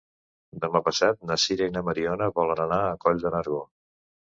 Demà passat na Sira i na Mariona volen anar a Coll de Nargó.